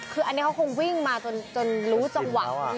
คืออันนี้เขาคงวิ่งมาจนรู้จังหวะ